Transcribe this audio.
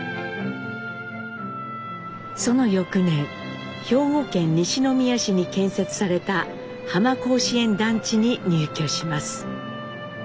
その翌年兵庫県西宮市に建設された浜甲子園団地に入居します。